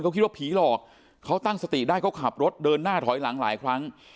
เขาคิดว่าผีหลอกเขาตั้งสติได้เขาขับรถเดินหน้าถอยหลังหลายครั้ง